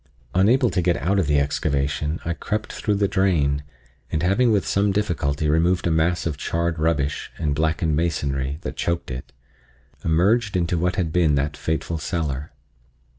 Unable to get out of the excavation, I crept through the drain, and having with some difficulty removed a mass of charred rubbish and blackened masonry that choked it, emerged into what had been that fateful cellar.